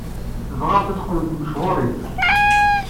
Tebɣamt ad teqqlemt mechuṛit.